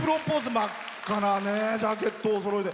真っ赤なジャケットおそろいで。